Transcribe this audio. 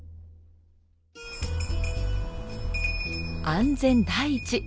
安全第一。